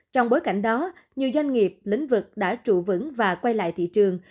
trong bối cảnh đó nhiều doanh nghiệp lĩnh vực đã trụ vững và quay lại thị trường